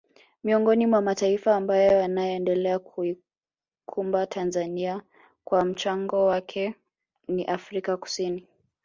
Miongoni mwa mataifa ambayo yanaendelea kuikumbuka Tanzania kwa mchango wake ni Afrika Kusini